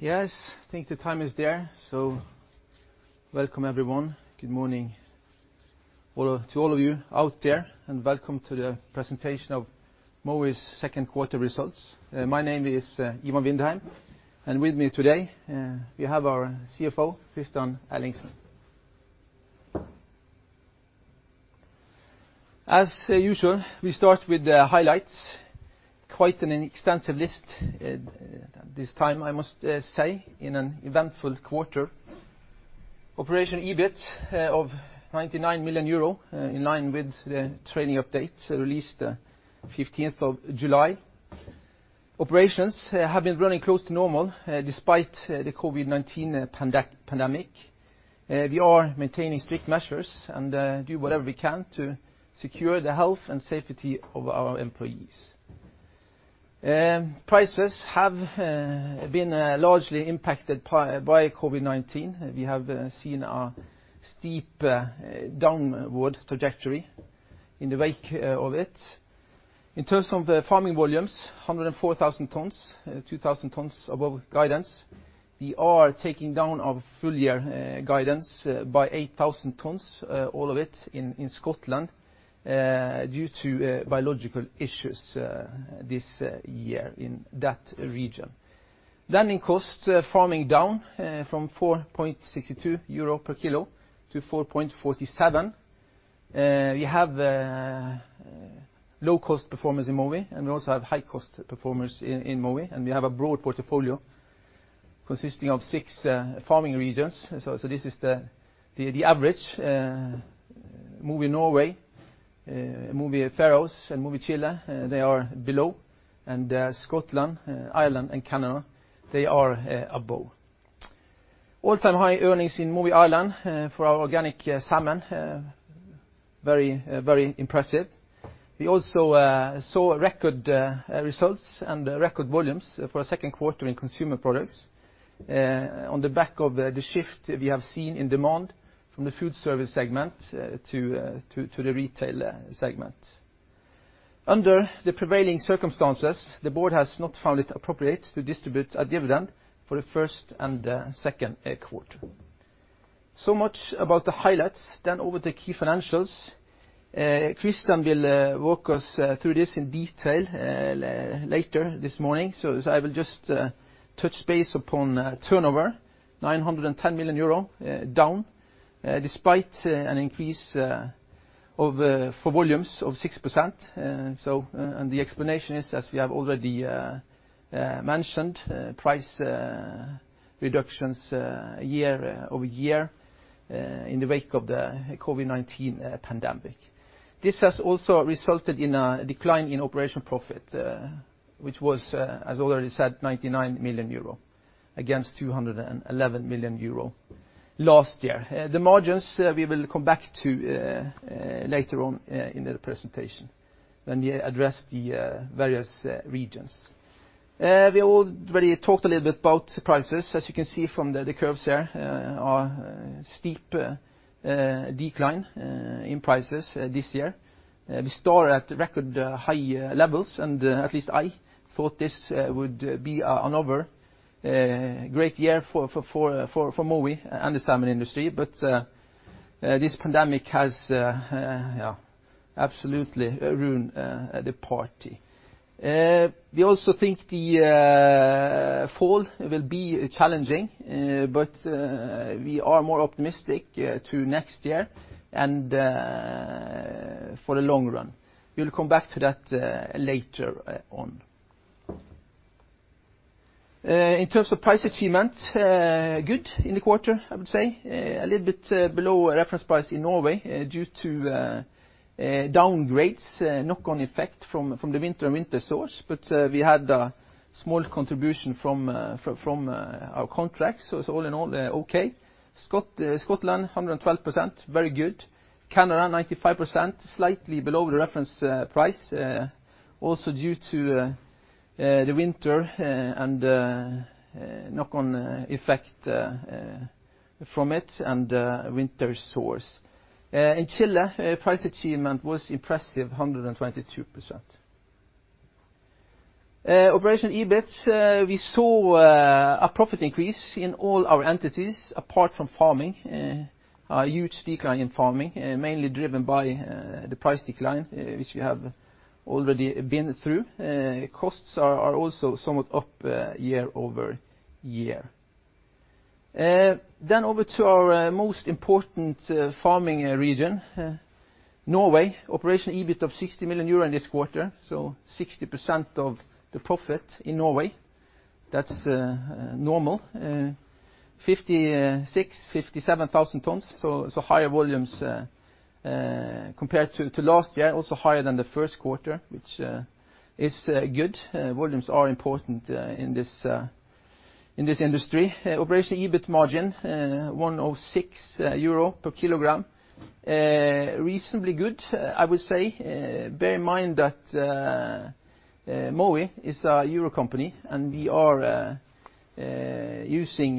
Yes. I think the time is there, so welcome everyone. Good morning to all of you out there, and welcome to the presentation of Mowi's second quarter results. My name is Ivan Vindheim, and with me today, we have our CFO, Kristian Ellingsen. As usual, we start with the highlights. Quite an extensive list this time, I must say, in an eventful quarter. Operation EBIT of 99 million euro, in line with the trading update released the 15th of July. Operations have been running close to normal despite the COVID-19 pandemic. We are maintaining strict measures and do whatever we can to secure the health and safety of our employees. Prices have been largely impacted by COVID-19. We have seen a steep downward trajectory in the wake of it. In terms of farming volumes, 104,000 tons, 2,000 tons above guidance. We are taking down our full year guidance by 8,000 tons, all of it in Scotland, due to biological issues this year in that region. Landing costs, farming down from 4.62 euro per kilo to 4.47. We have low cost performance in Mowi and we also have high cost performance in Mowi, and we have a broad portfolio consisting of six farming regions. This is the average. Mowi Norway, Mowi Faroes, and Mowi Chile, they are below. Scotland, Ireland, and Canada, they are above. All-time high earnings in Mowi Ireland for our organic salmon, very impressive. We also saw record results and record volumes for our second quarter in consumer products, on the back of the shift we have seen in demand from the food service segment to the retail segment. Under the prevailing circumstances, the board has not found it appropriate to distribute a dividend for the first and the second quarter. Much about the highlights. Over to key financials. Kristian will walk us through this in detail later this morning, so I will just touch base upon turnover, 910 million euro, down despite an increase for volumes of 6%. The explanation is, as we have already mentioned, price reductions year-over-year, in the wake of the COVID-19 pandemic. This has also resulted in a decline in operational profit, which was, as already said, 99 million euro, against 211 million euro last year. The margins, we will come back to later on in the presentation when we address the various regions. We already talked a little bit about prices. As you can see from the curves here, a steep decline in prices this year. We start at record high levels. At least I thought this would be another great year for Mowi and the salmon industry. This pandemic has absolutely ruined the party. We also think the fall will be challenging. We are more optimistic to next year and for the long run. We'll come back to that later on. In terms of price achievement, good in the quarter, I would say. A little bit below reference price in Norway due to downgrades, knock-on effect from the winter and winter sores. We had a small contribution from our contracts. It's all in all, okay. Scotland, 112%, very good. Canada, 95%, slightly below the reference price, also due to the winter and knock-on effect from it and winter sores. In Chile, price achievement was impressive, 122%. Operational EBIT, we saw a profit increase in all our entities apart from farming. A huge decline in farming, mainly driven by the price decline, which we have already been through. Costs are also somewhat up year-over-year. Over to our most important farming region, Norway. Operational EBIT of 60 million euro this quarter, so 60% of the profit in Norway. That's normal. 56,000, 57,000 tons, so higher volumes compared to last year, also higher than the first quarter, which is good. Volumes are important in this industry. Operational EBIT margin, EUR 106 per kilogram. Reasonably good, I would say. Bear in mind that Mowi is a euro company, and we are using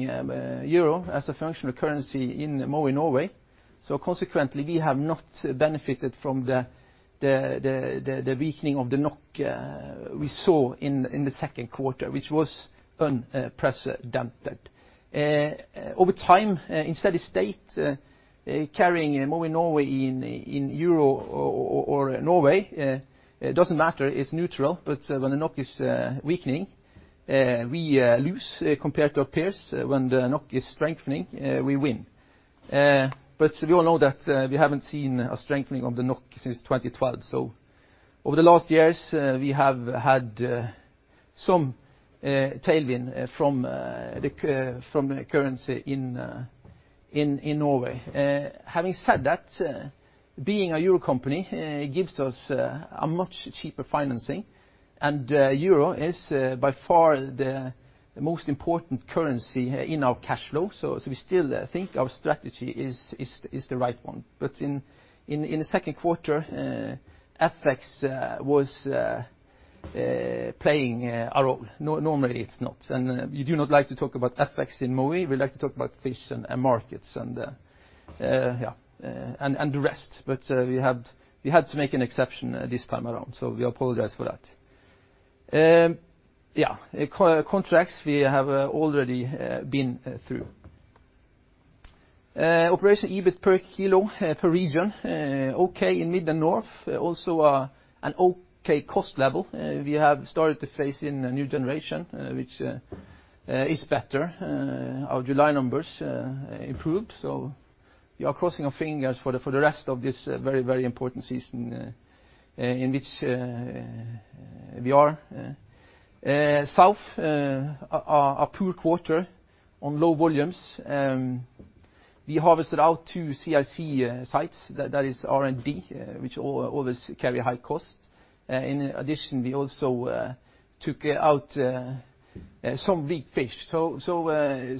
euro as a functional currency in Mowi Norway. Consequently, we have not benefited from the weakening of the NOK we saw in the second quarter, which was un-pressured, dampened. Over time, in a steady state, carrying Mowi Norway in EUR or Norway, it doesn't matter, it's neutral. When the NOK is weakening, we lose compared to our peers. When the NOK is strengthening, we win. We all know that we haven't seen a strengthening of the NOK since 2012. Over the last years, we have had some tailwind from the currency in Norway. Having said that, being a EUR company gives us a much cheaper financing, and EUR is by far the most important currency in our cash flow. We still think our strategy is the right one. In the second quarter, FX was playing a role. Normally it's not. We do not like to talk about FX in Mowi, we like to talk about fish and markets and the rest, but we had to make an exception this time around, so we apologize for that. Yeah. Contracts, we have already been through. Operation EBIT per kilo per region, okay in Mid and North, also an okay cost level. We have started to phase in a new generation, which is better. Our July numbers improved, so we are crossing our fingers for the rest of this very important season in which we are. South, a poor quarter on low volumes. We harvested our two CIC sites, that is R&D, which always carry high cost. In addition, we also took out some weak fish. The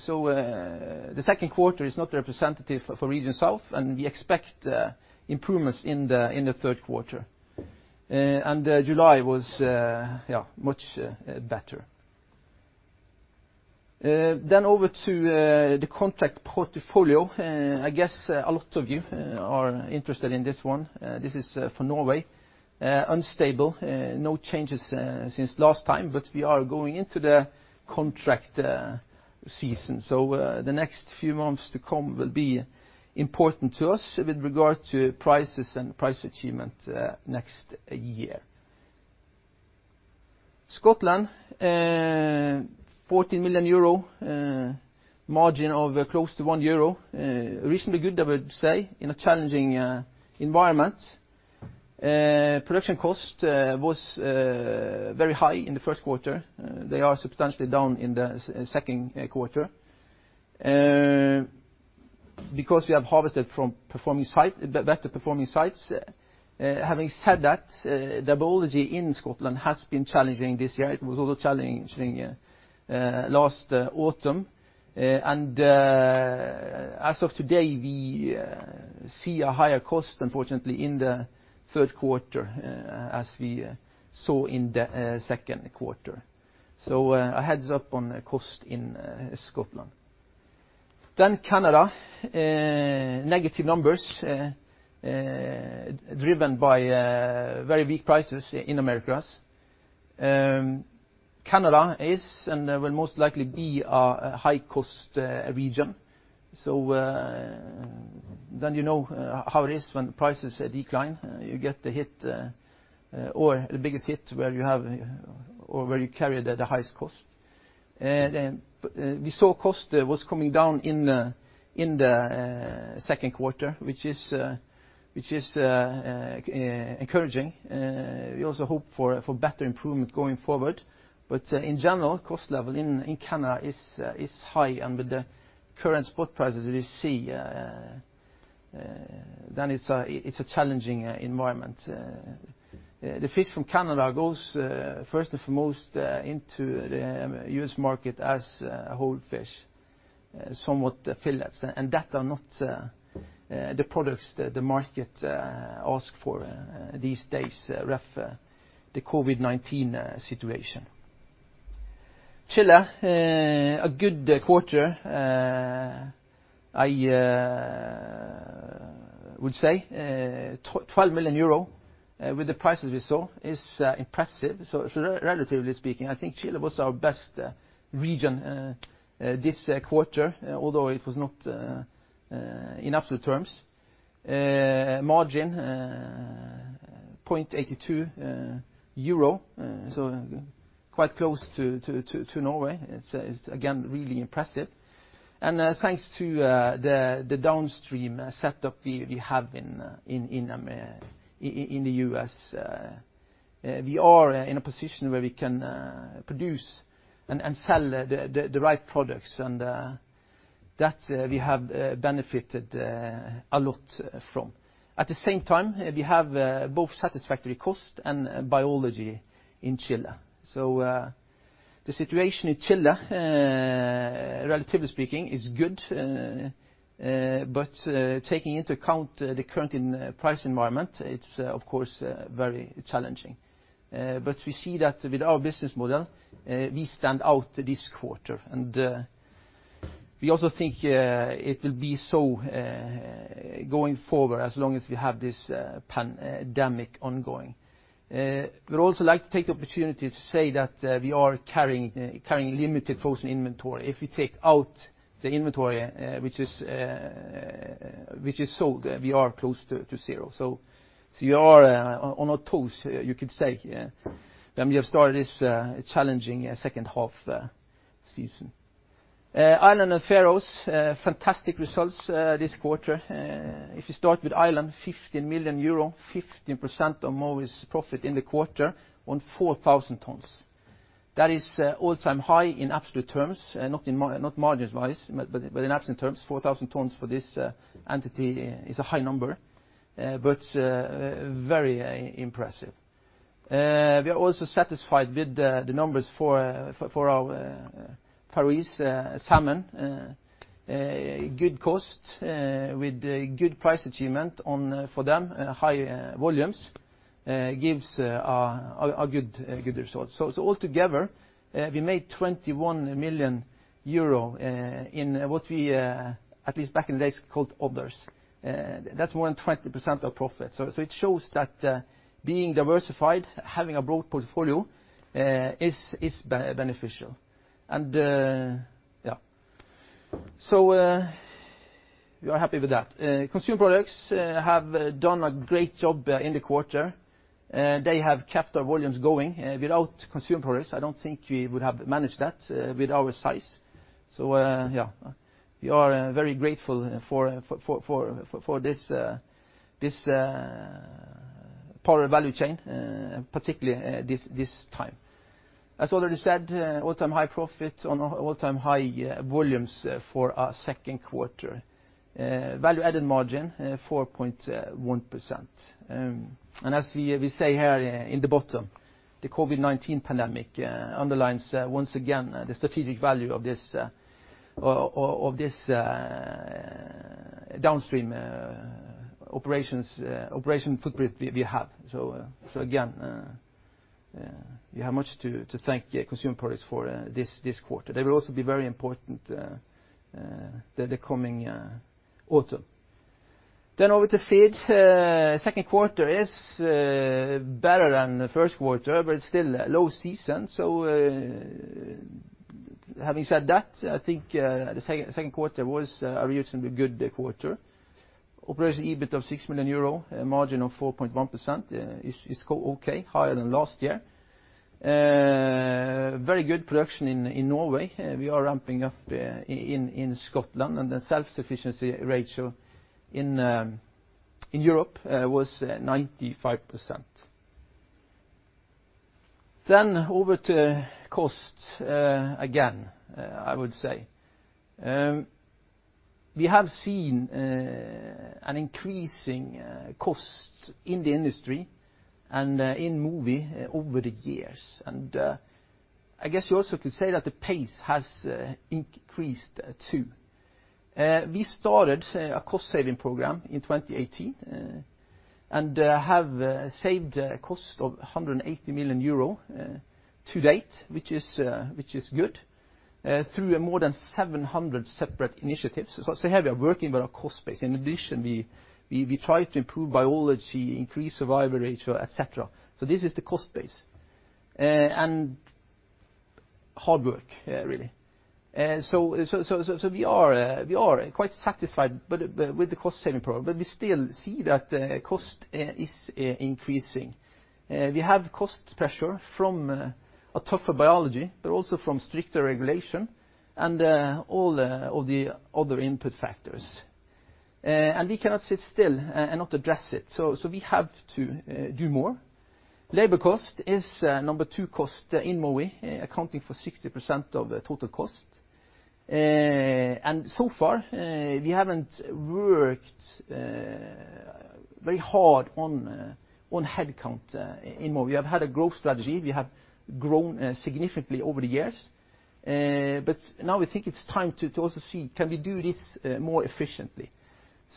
second quarter is not representative for region South, and we expect improvements in the third quarter. July was much better. Over to the contract portfolio. I guess a lot of you are interested in this one. This is for Norway. Unstable. No changes since last time, but we are going into the contract season, so the next few months to come will be important to us with regard to prices and price achievement next year. Scotland, 40 million euro, margin of close to 1 euro. Recently good, I would say, in a challenging environment. Production cost was very high in the first quarter. They are substantially down in the second quarter because we have harvested from better-performing sites. Having said that, the biology in Scotland has been challenging this year. It was also challenging last autumn. As of today, we see a higher cost, unfortunately, in the third quarter as we saw in the second quarter. A heads-up on the cost in Scotland. Canada. Negative numbers driven by very weak prices in Americas. Canada is and will most likely be a high-cost region. You know how it is when prices decline. You get the hit or the biggest hit where you carry the highest cost. We saw cost was coming down in the second quarter, which is encouraging. We also hope for better improvement going forward. In general, cost level in Canada is high, and with the current spot prices we see, it's a challenging environment. The fish from Canada goes first and foremost into the U.S. market as whole fish, somewhat fillets, and that are not the products the market asks for these days, rough, the COVID-19 situation. Chile, a good quarter, I would say. 12 million euro with the prices we saw is impressive. Relatively speaking, I think Chile was our best region this quarter, although it was not in absolute terms. Margin, EUR 0.82. Quite close to Norway. It's again, really impressive. Thanks to the downstream setup we have in the U.S., we are in a position where we can produce and sell the right products, and that we have benefited a lot from. At the same time, we have both satisfactory cost and biology in Chile. The situation in Chile, relatively speaking, is good. Taking into account the current price environment, it's of course very challenging. We see that with our business model, we stand out this quarter. We also think it will be so going forward as long as we have this pandemic ongoing. We'd also like to take the opportunity to say that we are carrying limited frozen inventory. If we take out the inventory, which is sold, we are close to zero. We are on our toes, you could say, when we have started this challenging second half season. Ireland and Faroes, fantastic results this quarter. If you start with Ireland, 15 million euro, 15% of Mowi's profit in the quarter on 4,000 tons. That is all-time high in absolute terms, not margins-wise, but in absolute terms, 4,000 tons for this entity is a high number, but very impressive. We are also satisfied with the numbers for our Faroese salmon. Good cost, with good price achievement for them. High volumes gives a good result. Altogether, we made 21 million euro in what we, at least back in the days, called others. That's more than 20% of profit. It shows that being diversified, having a broad portfolio is beneficial. We are happy with that. Consumer products have done a great job in the quarter. They have kept our volumes going. Without consumer products, I don't think we would have managed that with our size. Yeah, we are very grateful for this part of the value chain, particularly this time. As already said, all-time high profits on all-time high volumes for our second quarter. Value-added margin, 4.1%. As we say here in the bottom, the COVID-19 pandemic underlines once again the strategic value of this downstream operation footprint we have. Again, we have much to thank consumer products for this quarter. They will also be very important the coming autumn. Over to Feed. Second quarter is better than the first quarter, but it's still low season. Having said that, I think the second quarter was a reasonably good quarter. Operating EBIT of 6 million euro, a margin of 4.1%, is okay, higher than last year. Very good production in Norway. We are ramping up in Scotland, the self-sufficiency ratio in Europe was 95%. Over to costs again, I would say. We have seen an increasing costs in the industry and in Mowi over the years. I guess you also could say that the pace has increased, too. We started a Cost-Saving Program in 2018 and have saved a cost of 180 million euro to date, which is good, through more than 700 separate initiatives. As I say, we are working with our cost base. In addition, we try to improve biology, increase survival ratio, et cetera. This is the cost base, and hard work, really. We are quite satisfied with the Cost-Saving Program, but we still see that cost is increasing. We have cost pressure from a tougher biology, but also from stricter regulation and all of the other input factors. We cannot sit still and not address it, so we have to do more. Labor cost is number 2 cost in Mowi, accounting for 60% of total cost. So far, we haven't worked very hard on headcount in Mowi. We have had a growth strategy. We have grown significantly over the years. Now we think it's time to also see, can we do this more efficiently?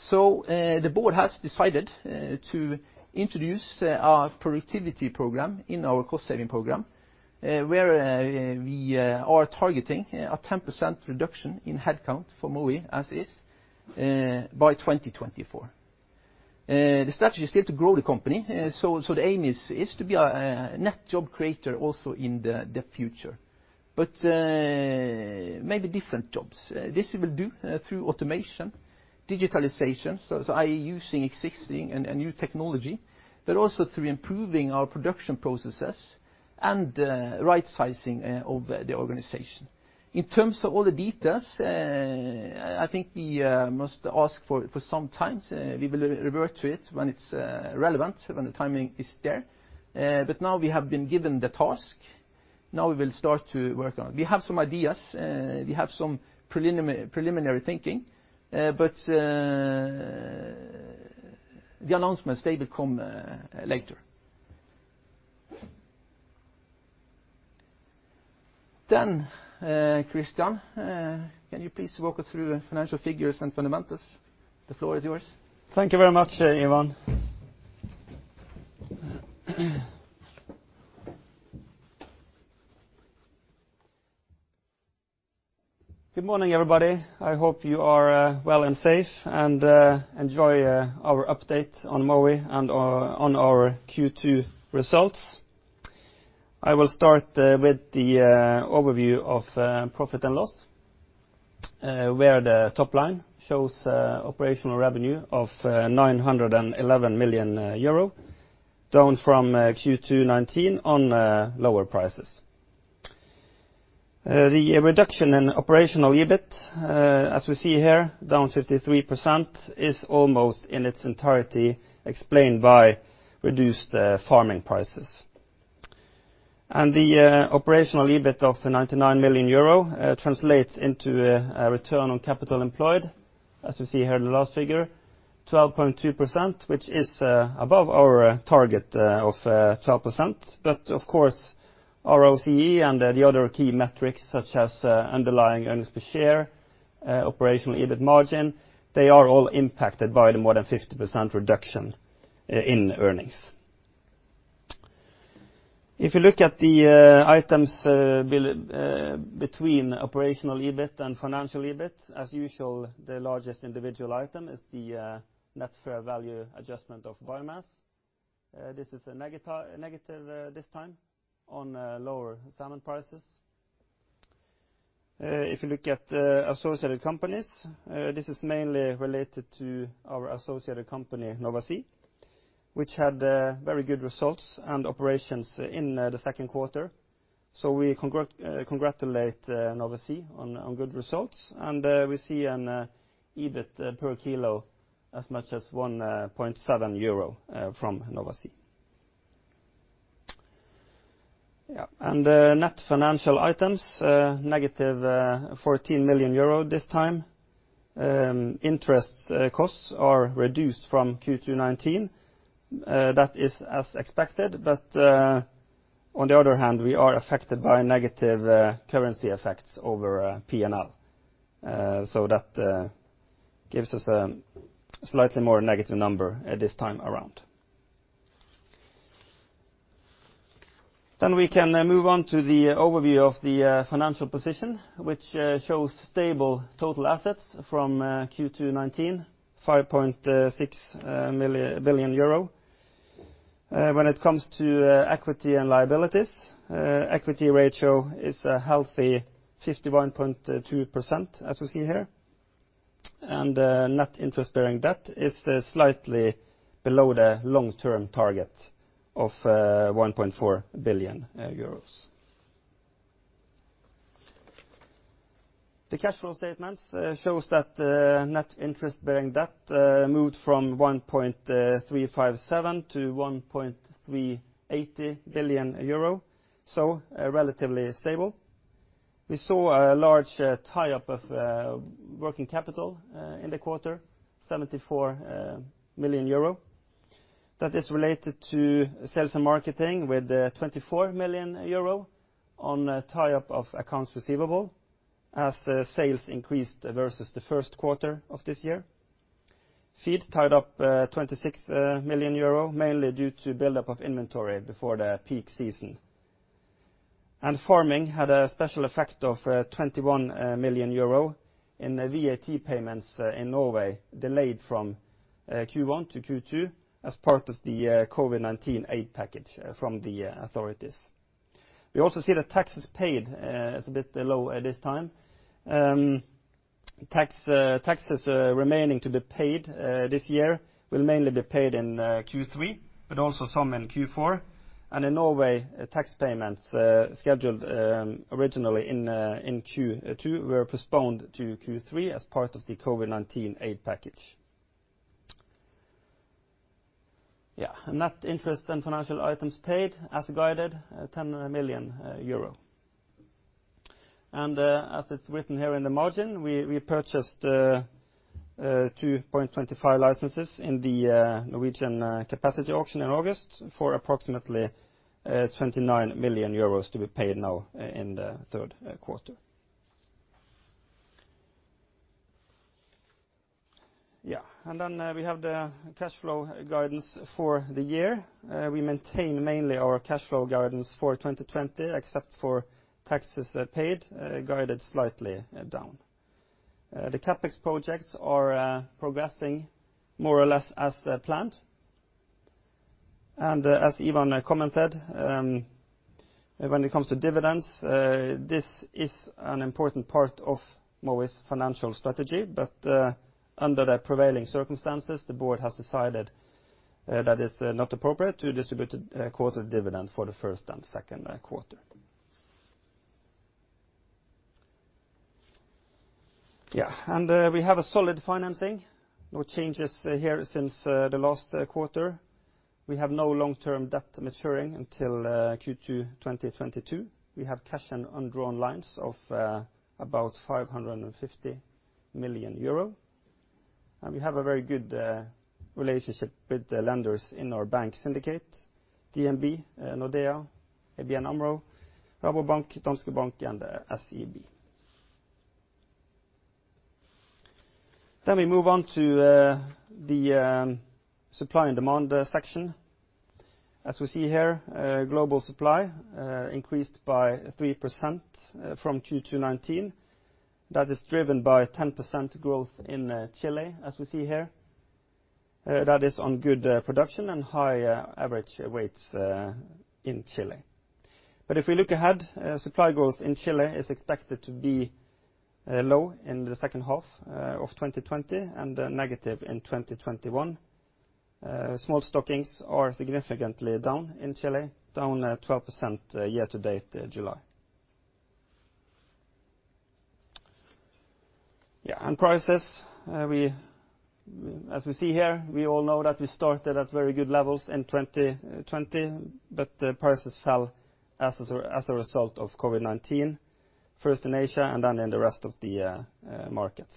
The board has decided to introduce our productivity program in our cost-saving program, where we are targeting a 10% reduction in headcount for Mowi as is by 2024. The strategy is still to grow the company, so the aim is to be a net job creator also in the future. Maybe different jobs. This we will do through automation, digitalization, i.e., using existing and new technology, but also through improving our production processes and rightsizing of the organization. In terms of all the details, I think we must ask for some time. We will revert to it when it's relevant, when the timing is there. Now we have been given the task. Now we will start to work on it. We have some ideas. We have some preliminary thinking. The announcements, they will come later. Kristian, can you please walk us through the financial figures and fundamentals? The floor is yours. Thank you very much, Ivan. Good morning, everybody. I hope you are well and safe and enjoy our update on Mowi and on our Q2 results. I will start with the overview of profit and loss, where the top line shows operational revenue of 911 million euro, down from Q2 2019 on lower prices. The reduction in operational EBIT, as we see here, down 53%, is almost in its entirety explained by reduced farming prices. The operational EBIT of the 99 million euro translates into a return on capital employed, as you see here in the last figure, 12.2%, which is above our target of 12%. Of course, ROCE and the other key metrics such as underlying earnings per share, operational EBIT margin, they are all impacted by the more than 50% reduction in earnings. If you look at the items between operational EBIT and financial EBIT. As usual, the largest individual item is the net fair value adjustment of biomass. This is negative this time on lower salmon prices. If you look at associated companies, this is mainly related to our associated company, Nova Sea, which had very good results and operations in the second quarter. We congratulate Nova Sea on good results, and we see an EBIT per kilo as much as 1.7 euro from Nova Sea. Yeah. The net financial items, -14 million euro this time. Interest costs are reduced from Q2 2019. That is as expected, but on the other hand, we are affected by negative currency effects over P&L. That gives us a slightly more negative number this time around. We can move on to the overview of the financial position, which shows stable total assets from Q2 2019, 5.6 billion euro. When it comes to equity and liabilities, equity ratio is a healthy 51.2%, as we see here. Net interest-bearing debt is slightly below the long-term target of EUR 1.4 billion. The cash flow statement shows that the net interest-bearing debt moved from 1.357 billion-1.380 billion euro, relatively stable. We saw a large tie-up of working capital in the quarter, 74 million euro. That is related to sales and marketing with 24 million euro on tie-up of accounts receivable as sales increased versus the first quarter of this year. Feed tied up 26 million euro, mainly due to buildup of inventory before the peak season. Farming had a special effect of 21 million euro in VAT payments in Norway, delayed from Q1 to Q2 as part of the COVID-19 aid package from the authorities. We also see the taxes paid is a bit low at this time. Taxes remaining to be paid this year will mainly be paid in Q3, but also some in Q4. In Norway, tax payments scheduled originally in Q2 were postponed to Q3 as part of the COVID-19 aid package. Net interest and financial items paid as guided, 10 million euro. As it's written here in the margin, we purchased 2.25 licenses in the Norwegian capacity auction in August for approximately 29 million euros to be paid now in the third quarter. Then we have the cash flow guidance for the year. We maintain mainly our cash flow guidance for 2020, except for taxes paid, guided slightly down. The CapEx projects are progressing more or less as planned. As Ivan commented, when it comes to dividends, this is an important part of Mowi's financial strategy, but under the prevailing circumstances, the board has decided that it's not appropriate to distribute a quarter dividend for the first and second quarter. We have a solid financing. No changes here since the last quarter. We have no long-term debt maturing until Q2 2022. We have cash and undrawn lines of about 550 million euro. We have a very good relationship with the lenders in our bank syndicate, DNB, Nordea, ABN AMRO, Rabobank, Danske Bank, and SEB. We move on to the supply and demand section. As we see here, global supply increased by 3% from Q2 2019. That is driven by 10% growth in Chile, as we see here. That is on good production and high average weights in Chile. If we look ahead, supply growth in Chile is expected to be low in the second half of 2020, and negative in 2021. Small stockings are significantly down in Chile, down 12% year to date July. Prices, as we see here, we all know that we started at very good levels in 2020, but the prices fell as a result of COVID-19, first in Asia, and then in the rest of the markets.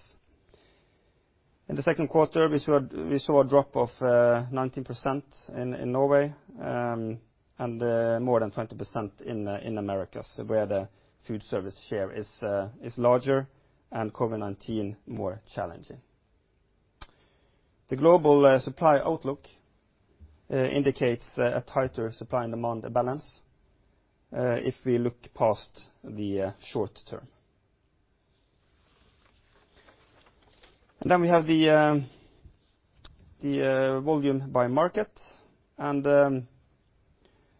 In the second quarter, we saw a drop of 19% in Norway, and more than 20% in Americas, where the food service share is larger and COVID-19 more challenging. The global supply outlook indicates a tighter supply and demand balance, if we look past the short-term. Then we have the volume by market.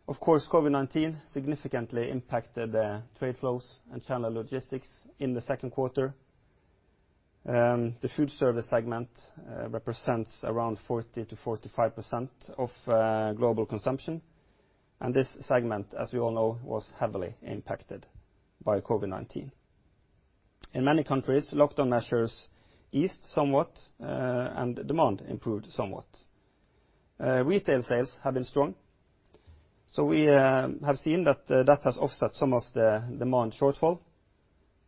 Of course, COVID-19 significantly impacted trade flows and channel logistics in the second quarter. The food service segment represents around 40%-45% of global consumption, and this segment, as we all know, was heavily impacted by COVID-19. In many countries, lockdown measures eased somewhat, and demand improved somewhat. Retail sales have been strong, so we have seen that that has offset some of the demand shortfall,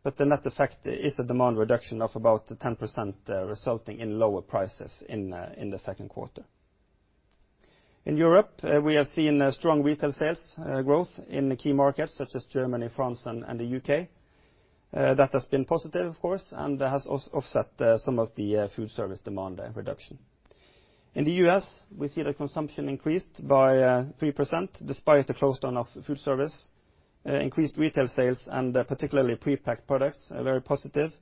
but the net effect is a demand reduction of about 10%, resulting in lower prices in the second quarter. In Europe, we have seen strong retail sales growth in the key markets such as Germany, France, and the U.K. That has been positive, of course, and has offset some of the food service demand reduction. In the U.S., we see that consumption increased by 3%, despite the close down of food service. Increased retail sales and particularly pre-packed products are very positive.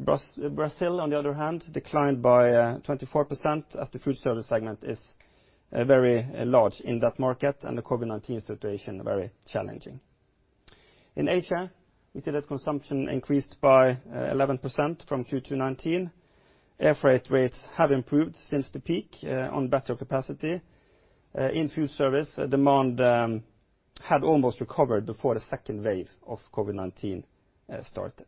Brazil, on the other hand, declined by 24%, as the food service segment is very large in that market, and the COVID-19 situation very challenging. In Asia, we see that consumption increased by 11% from Q2 2019. Air freight rates have improved since the peak on better capacity. In food service, demand had almost recovered before the second wave of COVID-19 started.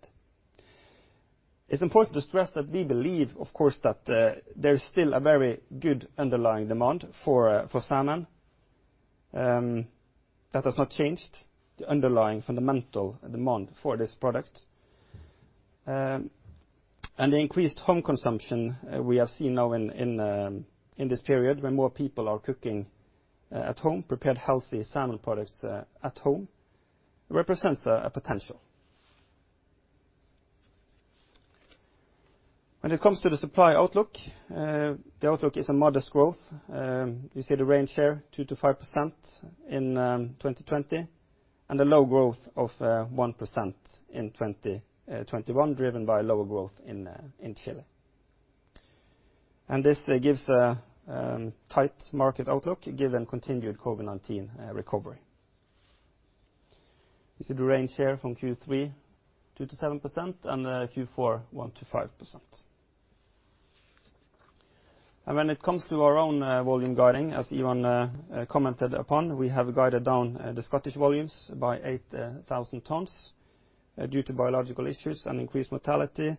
It's important to stress that we believe, of course, that there is still a very good underlying demand for salmon. That has not changed the underlying fundamental demand for this product. The increased home consumption we have seen now in this period, where more people are cooking at home, prepared healthy salmon products at home, represents a potential. When it comes to the supply outlook, the outlook is a modest growth. You see the range here, 2% to 5% in 2020, and a low growth of 1% in 2021, driven by lower growth in Chile. This gives a tight market outlook given continued COVID-19 recovery. You see the range here from Q3, 2% to 7%, and Q4, 1% to 5%. When it comes to our own volume guiding, as Ivan commented upon, we have guided down the Scottish volumes by 8,000 tons due to biological issues and increased mortality.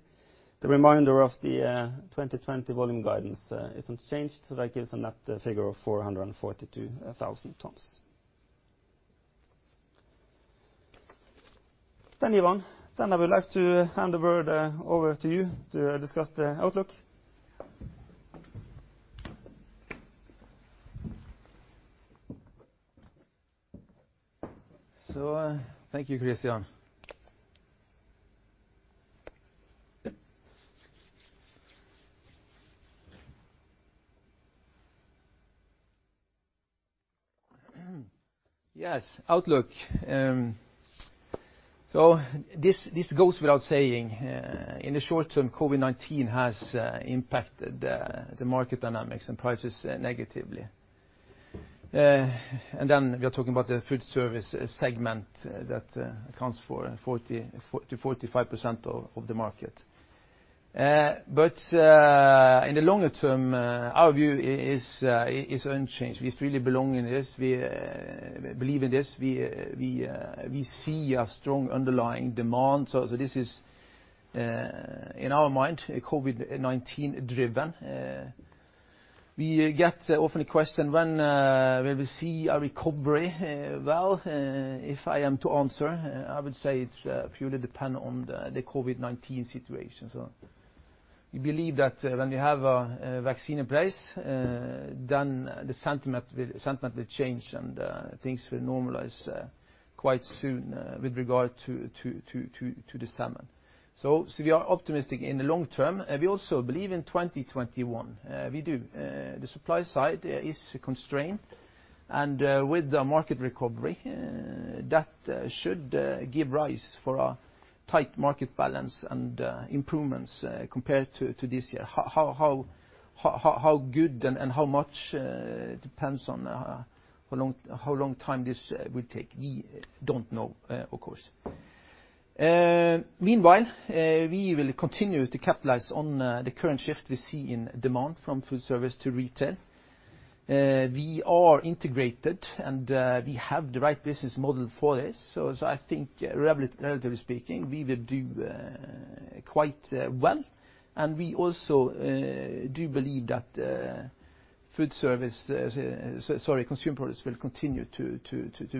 The remainder of the 2020 volume guidance is unchanged, that gives a net figure of 442,000 tons. Ivan, then I would like to hand the word over to you to discuss the outlook. Thank you, Kristian. Yes, outlook. This goes without saying, in the short-term, COVID-19 has impacted the market dynamics and prices negatively. We are talking about the food service segment that accounts for 40%-45% of the market. In the longer-term, our view is unchanged. We strongly belong in this. We believe in this. We see a strong underlying demand. This is, in our mind, COVID-19 driven. We get often the question when we will see a recovery. Well, if I am to answer, I would say it purely depend on the COVID-19 situation. We believe that when we have a vaccine in place, then the sentiment will change, and things will normalize quite soon with regard to the salmon. We are optimistic in the long-term. We also believe in 2021. We do. The supply side is constrained, and with the market recovery, that should give rise for a tight market balance and improvements compared to this year. How good and how much depends on how long time this will take. We don't know, of course. Meanwhile, we will continue to capitalize on the current shift we see in demand from food service to retail. We are integrated, and we have the right business model for this. I think relatively speaking, we will do quite well, and we also do believe that consumer products will continue to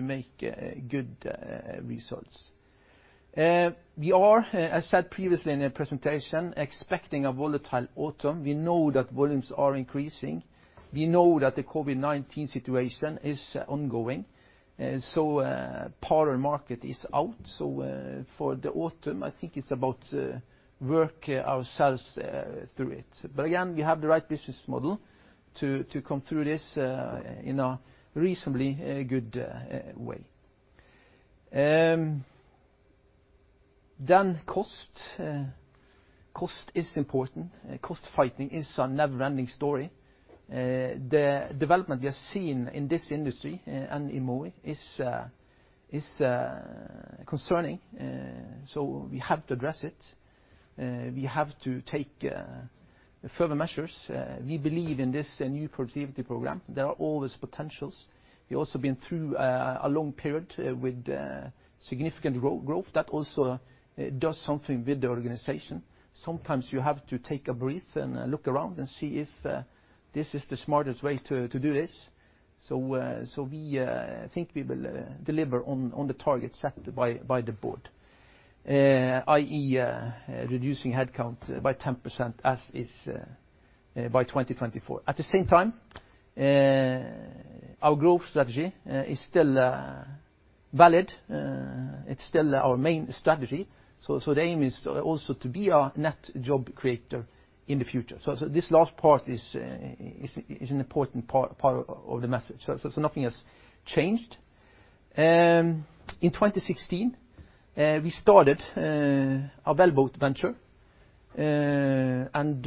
make good results. We are, as said previously in a presentation, expecting a volatile autumn. We know that volumes are increasing. We know that the COVID-19 situation is ongoing, and so part of market is out. For the autumn, I think it's about work ourselves through it. Again, we have the right business model to come through this in a reasonably good way. Cost. Cost is important. Cost fighting is a never-ending story. The development we have seen in this industry and in Mowi is concerning, so we have to address it. We have to take further measures. We believe in this new productivity program, there are always potentials. We've also been through a long period with significant growth. That also does something with the organization. Sometimes you have to take a breath and look around and see if this is the smartest way to do this. We think we will deliver on the target set by the board, i.e., reducing headcount by 10% by 2024. At the same time, our growth strategy is still valid. It's still our main strategy. The aim is also to be a net job creator in the future. This last part is an important part of the message. Nothing has changed. In 2016, we started our wellboat venture, and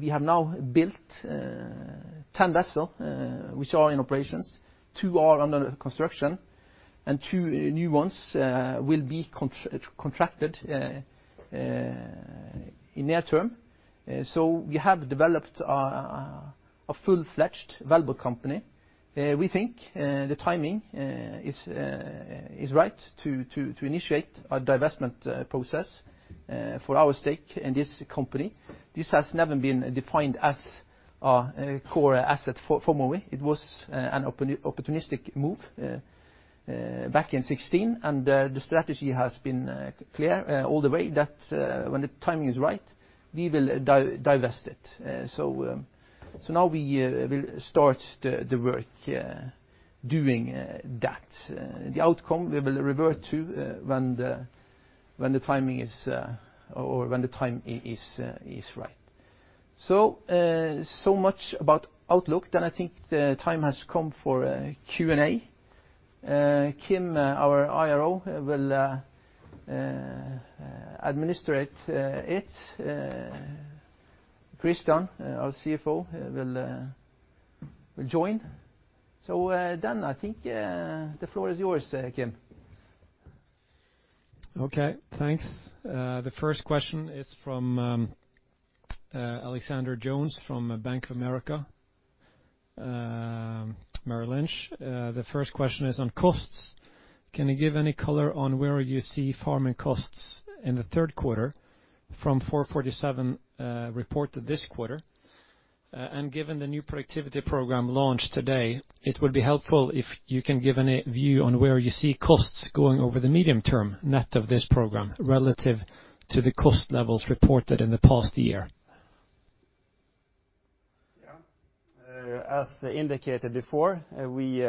we have now built 10 vessel, which are in operations, two are under construction, and two new ones will be contracted in near term. We have developed a full-fledged wellboat company. We think the timing is right to initiate a divestment process for our stake in this company. This has never been defined as a core asset for Mowi. It was an opportunistic move back in 2016, and the strategy has been clear all the way that when the timing is right, we will divest it. Now we will start the work doing that. The outcome we will revert to when the time is right. So much about outlook, I think the time has come for Q&A. Kim, our IRO, will administrate it. Kristian, our CFO, will join. I think the floor is yours, Kim. Okay, thanks. The first question is from Alexander Jones from Bank of America Merrill Lynch. The first question is on costs. Can you give any color on where you see farming costs in the third quarter from 4.47 reported this quarter? Given the new Productivity Program launched today, it would be helpful if you can give any view on where you see costs going over the medium term net of this program relative to the cost levels reported in the past year. Yeah. As indicated before, we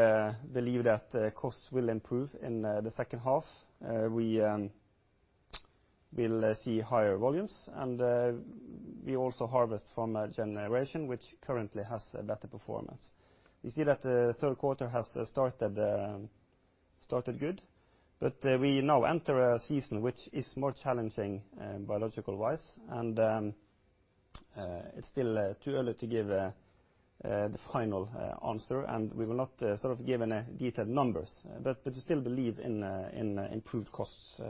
believe that costs will improve in the second half. We will see higher volumes, and we also harvest from a generation which currently has a better performance. We see that the third quarter has started good, but we now enter a season which is more challenging biological-wise, and it's still too early to give the final answer, and we will not give any detailed numbers. We still believe in improved costs.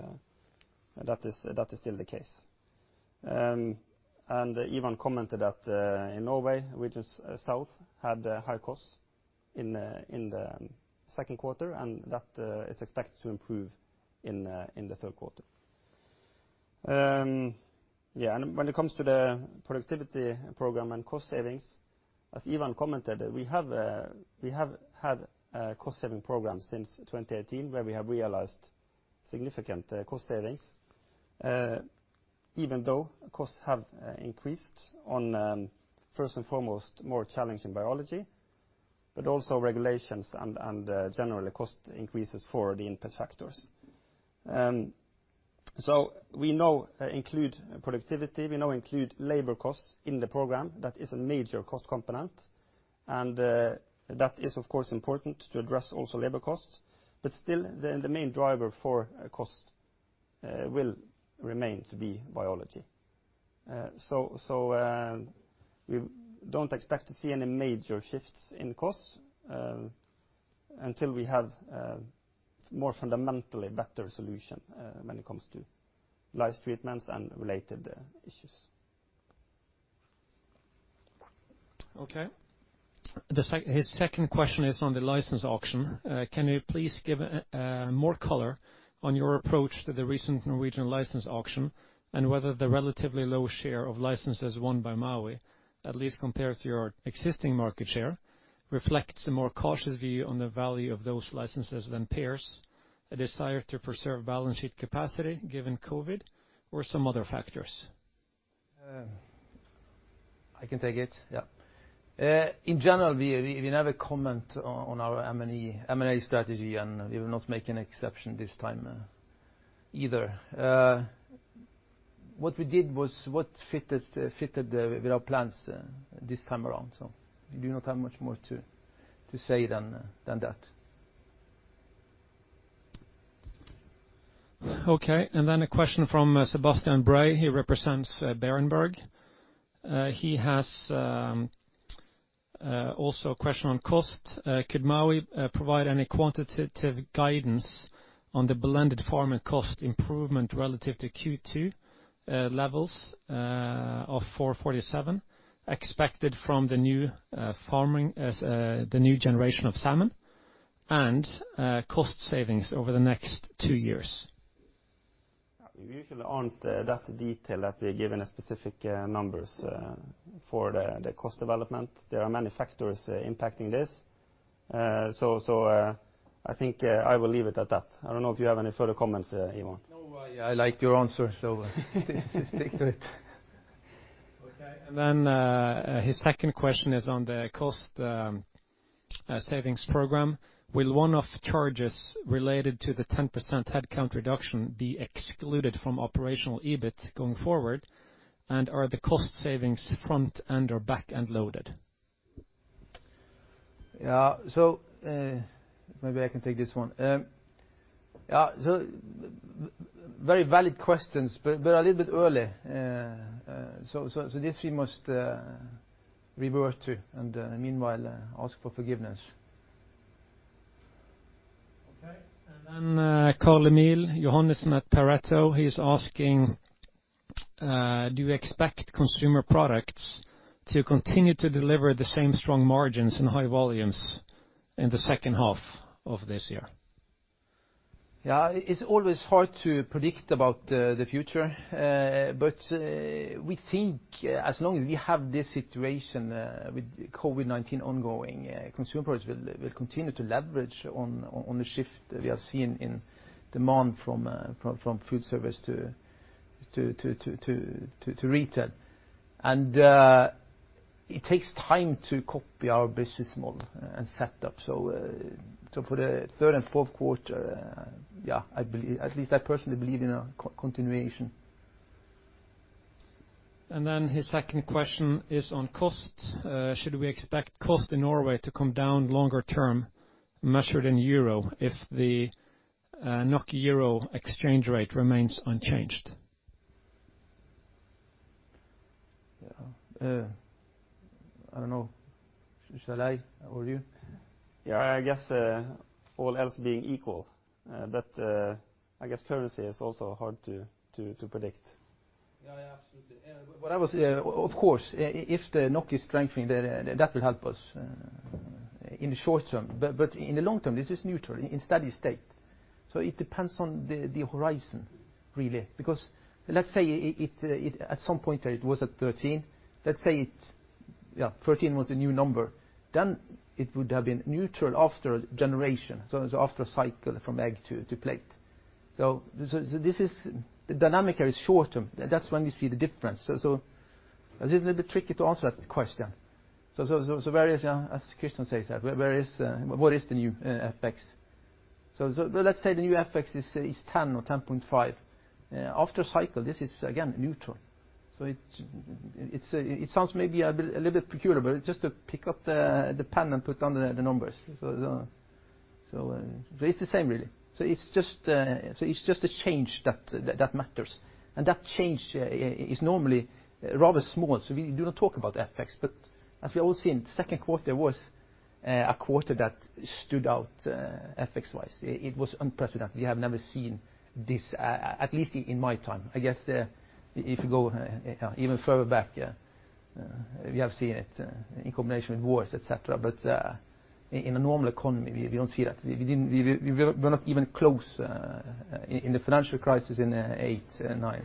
That is still the case. Ivan commented that in Norway, regions south had high costs in the second quarter, and that is expected to improve in the third quarter. When it comes to the productivity program and cost savings, as Ivan commented, we have had a cost-saving program since 2018, where we have realized significant cost savings, even though costs have increased on, first and foremost, more challenging biology, but also regulations and general cost increases for the input factors. We now include productivity, we now include labor costs in the program. That is a major cost component, and that is, of course, important to address also labor costs. Still, the main driver for cost will remain to be biology. We don't expect to see any major shifts in costs until we have a more fundamentally better solution when it comes to lice treatments and related issues. Okay. His second question is on the license auction. Can you please give more color on your approach to the recent Norwegian license auction and whether the relatively low share of licenses won by Mowi, at least compared to your existing market share, reflects a more cautious view on the value of those licenses than peers, a desire to preserve balance sheet capacity given COVID, or some other factors? I can take it. In general, we never comment on our M&A strategy, and we will not make an exception this time either. What we did was what fitted with our plans this time around. We do not have much more to say than that. Okay, a question from Sebastian Bray. He represents Berenberg. He has also a question on cost. Could Mowi provide any quantitative guidance on the blended farming cost improvement relative to Q2 levels of 447 expected from the new generation of salmon and cost savings over the next two years? We usually aren't that detailed that we're giving specific numbers for the cost development. There are many factors impacting this. I think I will leave it at that. I don't know if you have any further comments, Ivan. No, I like your answer, so stick to it. Okay, his second question is on the cost savings program. Will one-off charges related to the 10% headcount reduction be excluded from operational EBIT going forward, and are the cost savings front-end or back-end loaded? Maybe I can take this one. Very valid questions, but a little bit early. This we must revert to and meanwhile ask for forgiveness. Okay, Carl Emil Johannessen at Pareto, he's asking, do you expect consumer products to continue to deliver the same strong margins and high volumes in the second half of this year? It's always hard to predict about the future. We think as long as we have this situation with COVID-19 ongoing, consumer products will continue to leverage on the shift we are seeing in demand from food service to retail. It takes time to copy our business model and set up. For the third and fourth quarter, at least I personally believe in a continuation. His second question is on cost. Should we expect cost in Norway to come down longer term measured in euro if the NOK-Euro exchange rate remains unchanged? I don't know. Shall I or you? I guess all else being equal, I guess currency is also hard to predict. Yeah, absolutely. Of course, if the NOK is strengthening, that will help us in the short term, but in the long term, it's just neutral in steady state. It depends on the horizon, really. Because let's say at some point it was at 13. Let's say 13 was the new number, then it would have been neutral after a generation, so after a cycle from egg to plate. The dynamic is short term. That's when you see the difference. It's a little bit tricky to answer that question. Various, as Kristian says, what is the new FX? Let's say the new FX is 10 or 10.5. After cycle, this is again neutral. It sounds maybe a little bit peculiar, but it's just to pick up the pen and put down the numbers. It's the same really. It's just the change that matters, and that change is normally rather small, so we do not talk about aspect. As we all see, second quarter was a quarter that stood out FX-wise. It was unprecedented. We have never seen this, at least in my time. I guess if you go even further back. We have seen it in combination with wars, et cetera, but in a normal economy, we don't see that. We're not even close in the financial crisis in 2008, 2009.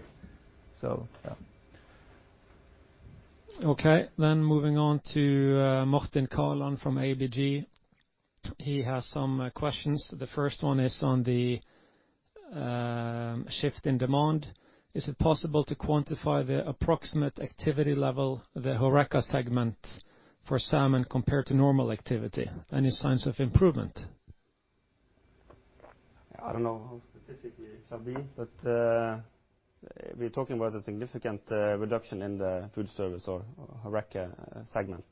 Okay. Moving on to Martin Kaland from ABG. He has some questions. The first one is on the shift in demand. Is it possible to quantify the approximate activity level, the horeca segment for salmon compared to normal activity? Any signs of improvement? I don't know how specific it shall be. We're talking about a significant reduction in the food service or horeca segment.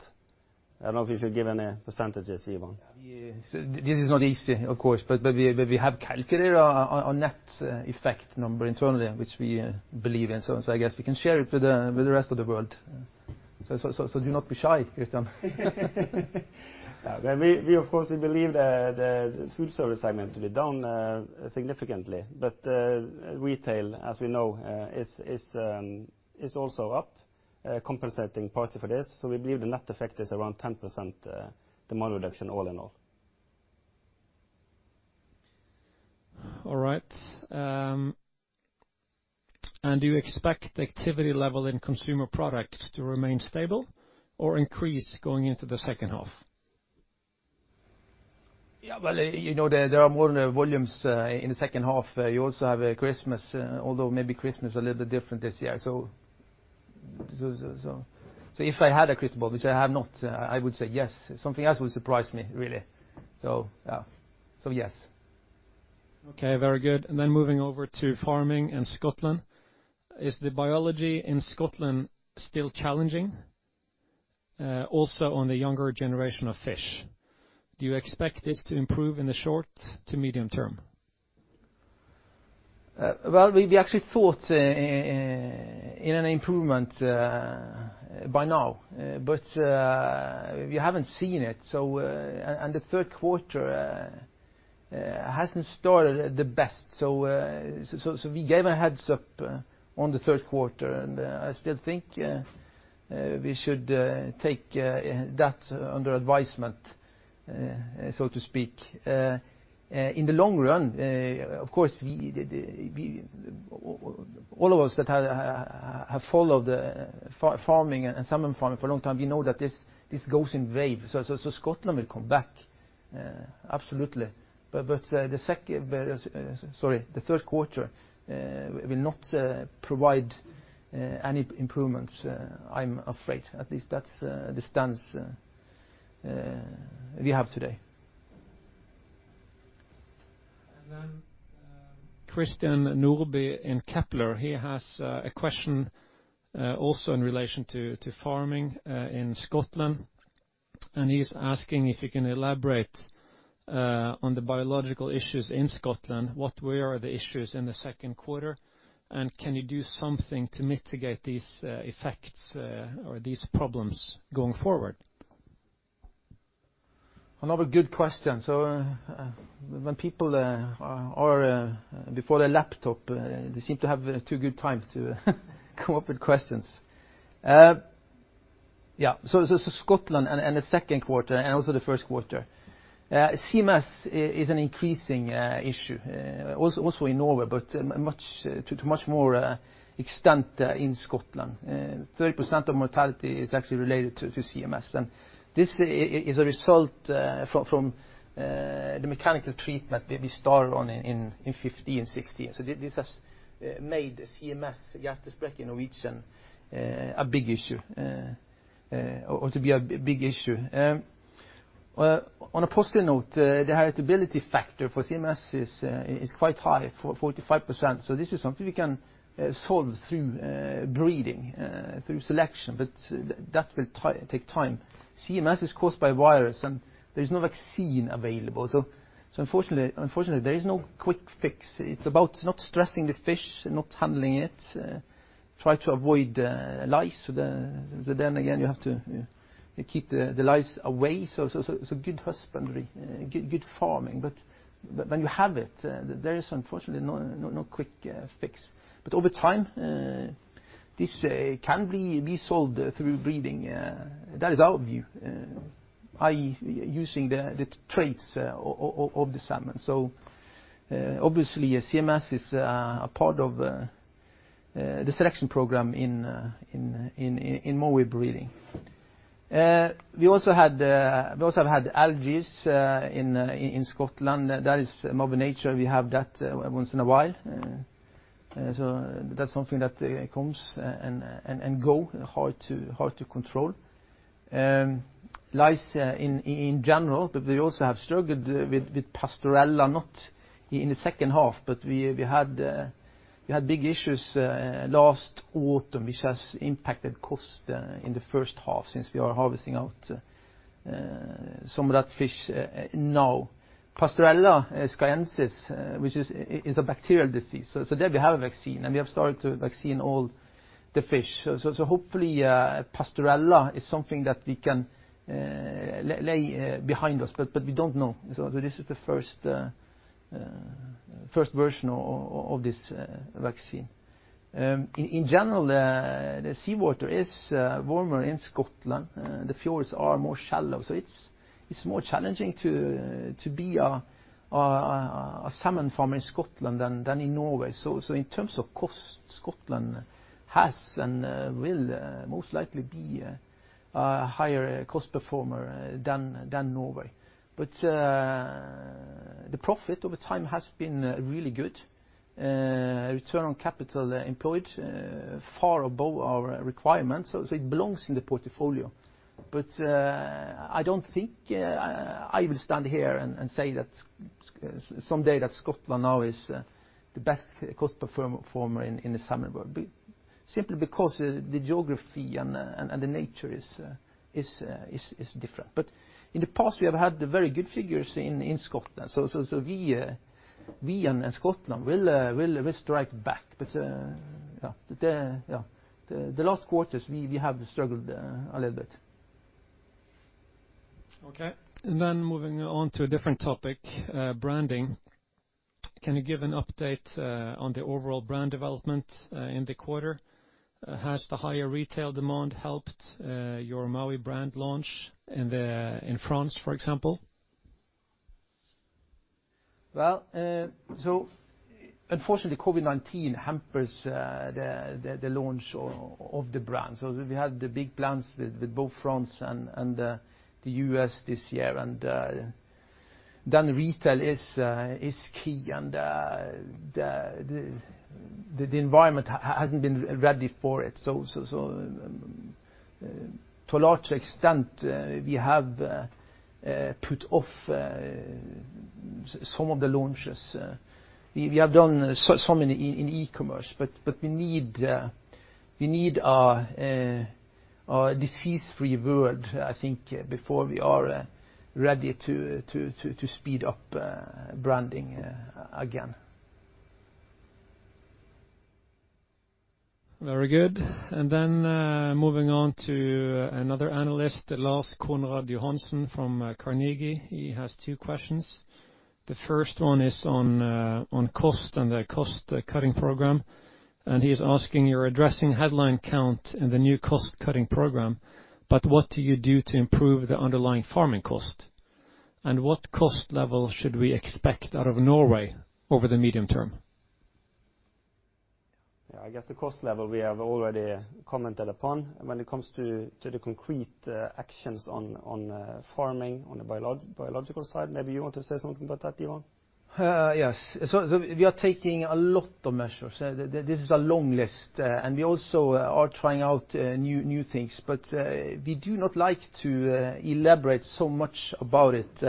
I don't know if you should give any percentages, Ivan. This is not easy, of course, but we have calculated our net effect number internally, which we believe in, so I guess we can share it with the rest of the world. Do not be shy, Kristian. We obviously believe the food service segment to be down significantly, but retail, as we know, is also up, compensating partly for this. We believe the net effect is around 10% demand reduction, all in all. All right. Do you expect the activity level in consumer products to remain stable or increase going into the second half? Yeah. There are more volumes in the second half. You also have Christmas, although maybe Christmas a little bit different this year. If I had a crystal ball, which I have not, I would say yes. Something else would surprise me, really. Yes. Okay. Very good. Moving over to farming in Scotland. Is the biology in Scotland still challenging, also on the younger generation of fish? Do you expect this to improve in the short to medium term? Well, we actually thought in an improvement by now, but we haven't seen it. The third quarter hasn't started the best, so we gave a heads-up on the third quarter, and I still think we should take that under advisement, so to speak. In the long run, of course, all of us that have followed farming and salmon farming for a long time, we know that this goes in wave. Scotland will come back. Absolutely. The third quarter will not provide any improvements, I'm afraid. At least that's the stance we have today. Christian Nordby in Kepler, he has a question also in relation to farming in Scotland, and he's asking if you can elaborate on the biological issues in Scotland. What were the issues in the second quarter, and can you do something to mitigate these effects or these problems going forward? Another good question. When people are before their laptop, they seem to have too good time to come up with questions. Yeah. Scotland and the second quarter and also the first quarter. CMS is an increasing issue, also in Norway, but to much more extent in Scotland. 30% of mortality is actually related to CMS, and this is a result from the mechanical treatment we started on in 2015 and 2016. This has made CMS, gastrointestinal, a big issue, or to be a big issue. On a positive note, the heritability factor for CMS is quite high, 45%. This is something we can solve through breeding, through selection, but that will take time. CMS is caused by virus, and there is no vaccine available. Unfortunately, there is no quick fix. It's about not stressing the fish, not handling it, try to avoid lice. Again, you have to keep the lice away, so good husbandry, good farming. When you have it, there is unfortunately no quick fix. Over time, this can be solved through breeding. That is our view, i.e., using the traits of the salmon. Obviously, CMS is a part of the selection program in Mowi Breeding. We also have had algae in Scotland. That is Mother Nature. We have that once in a while. That's something that comes and goes, hard to control. Lice in general, but we also have struggled with Pasteurella, not in the second half, but we had big issues last autumn, which has impacted cost in the first half since we are harvesting out some of that fish now. Pasteurella skyensis, which is a bacterial disease. There we have a vaccine, and we have started to vaccinate all the fish. Hopefully, Pasteurella is something that we can lay behind us, but we don't know. This is the first version of this vaccine. In general, the seawater is warmer in Scotland. The fjords are more shallow, so it's more challenging to be a salmon farmer in Scotland than in Norway. In terms of cost, Scotland has and will most likely be a higher cost performer than Norway. The profit over time has been really good. Return on capital employed far above our requirements, it belongs in the portfolio. I don't think I will stand here and say someday that Scotland now is the best cost performer in the salmon world, simply because the geography and the nature is different. In the past, we have had very good figures in Scotland. We and Scotland will strike back. Yeah, the last quarters, we have struggled a little bit. Okay, moving on to a different topic, branding. Can you give an update on the overall brand development in the quarter? Has the higher retail demand helped your Mowi brand launch in France, for example? Unfortunately, COVID-19 hampers the launch of the brand. We had the big plans with both France and the U.S. this year, and then retail is key and the environment hasn't been ready for it. To a large extent, we have put off some of the launches. We have done some in e-commerce, we need a disease-free world, I think, before we are ready to speed up branding again. Very good. Moving on to another analyst, Lars Konrad Johnsen from Carnegie. He has two questions. The first one is on cost and the cost-cutting program. He is asking, you're addressing headline count in the new cost-cutting program, what do you do to improve the underlying farming cost? What cost level should we expect out of Norway over the medium term? Yeah, I guess the cost level we have already commented upon. When it comes to the concrete actions on farming, on the biological side, maybe you want to say something about that, Ivan? Yes. We are taking a lot of measures. This is a long list. We also are trying out new things, but we do not like to elaborate so much about it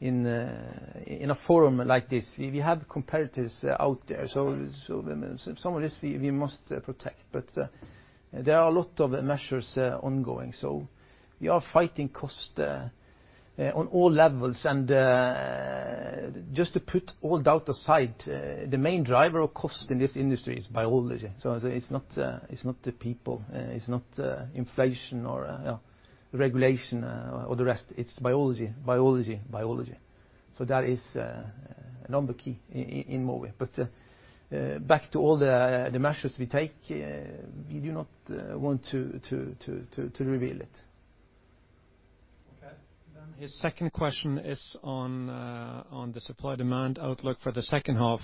in a forum like this. We have competitors out there, so some of this we must protect. There are a lot of measures ongoing. We are fighting cost on all levels, and just to put all doubt aside, the main driver of cost in this industry is biology. It's not the people, it's not inflation or regulation, or the rest. It's biology. That is number key in Mowi. Back to all the measures we take, we do not want to reveal it. Okay. His second question is on the supply-demand outlook for the second half.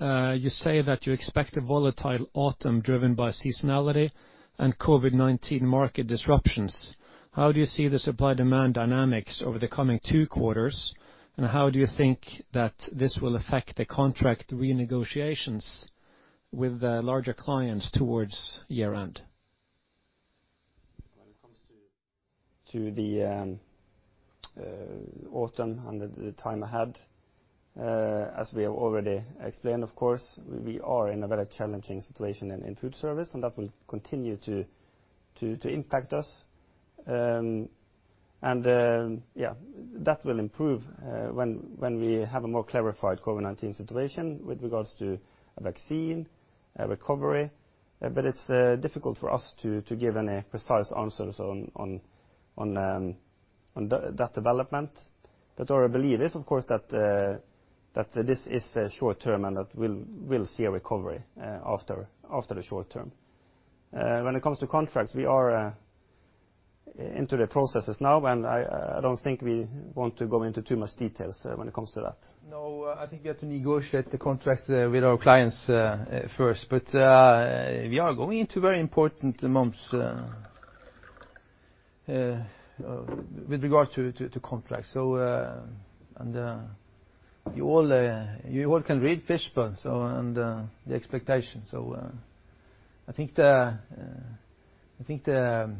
You say that you expect a volatile autumn driven by seasonality and COVID-19 market disruptions. How do you see the supply-demand dynamics over the coming two quarters, and how do you think that this will affect the contract renegotiations with the larger clients towards year-end? When it comes to the autumn and the time ahead, as we have already explained, of course, we are in a very challenging situation in food service, and that will continue to impact us. Yeah, that will improve when we have a more clarified COVID-19 situation with regards to a vaccine, a recovery. It's difficult for us to give any precise answers on that development. Our belief is, of course, that this is short-term and that we'll see a recovery after the short term. When it comes to contracts, we are into the processes now, and I don't think we want to go into too much details when it comes to that. No, I think we have to negotiate the contracts with our clients first. We are going into very important months with regard to contracts. You all can read Fish Pool and the expectations. I think the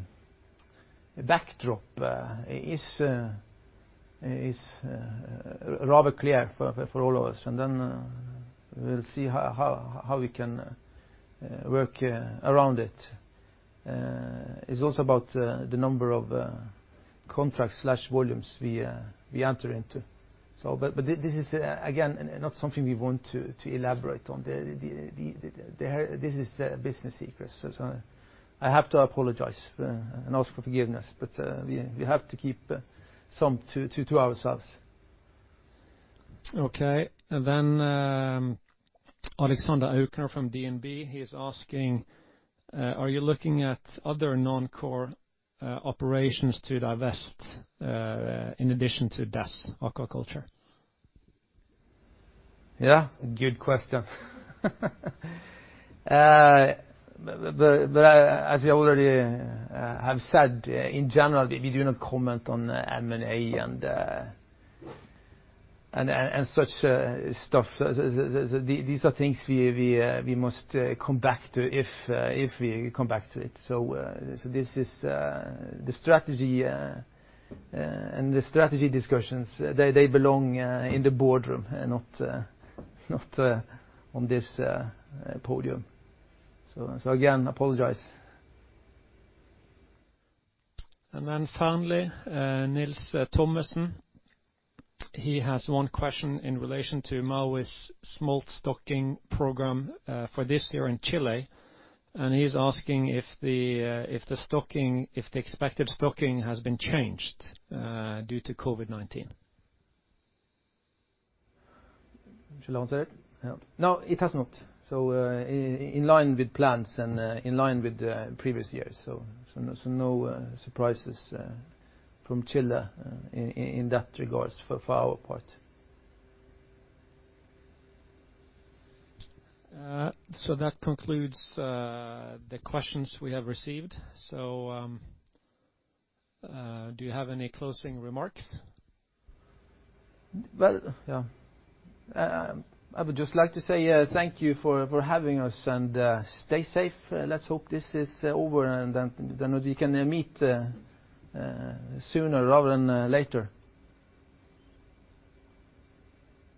backdrop is rather clear for all of us, and then we'll see how we can work around it. It's also about the number of contracts/volumes we enter into. This is, again, not something we want to elaborate on. This is a business secret, so I have to apologize and ask for forgiveness, but we have to keep some to ourselves. Okay. Alexander Aukner from DNB. He is asking, are you looking at other non-core operations to divest in addition to DASS aquaculture? Yeah, good question. As I already have said, in general, we do not comment on M&A and such stuff. These are things we must come back to if we come back to it. This is the strategy and the strategy discussions, they belong in the boardroom and not on this podium. Again, apologize. Finally, Nils Thommesen. He has one question in relation to Mowi's smolt stocking program for this year in Chile, and he's asking if the expected stocking has been changed due to COVID-19. Shall I answer it? No, it has not. In line with plans and in line with previous years. No surprises from Chile in that regards for our part. That concludes the questions we have received. Do you have any closing remarks? Yeah. I would just like to say thank you for having us and stay safe. Let's hope this is over and then we can meet sooner rather than later.